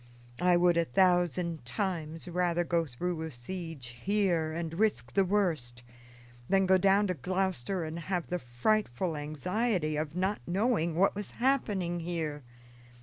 I would a thousand times rather go through a siege here, and risk the worst, than go down to Gloucester and have the frightful anxiety of not knowing what was happening here.